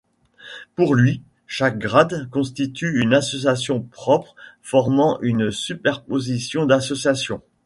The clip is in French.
Pour lui, chaque grade constitue une association propre formant une superposition d'associations.